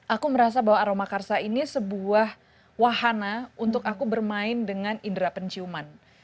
aku merasa bahwa aroma karsa ini sebuah wahana untuk aku bermain dengan indera penciuman